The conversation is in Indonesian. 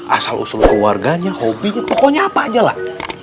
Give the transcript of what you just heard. asal usul keluarganya hobinya pokoknya apa aja lah